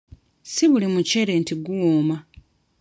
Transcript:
Si buli muceere nti guwooma.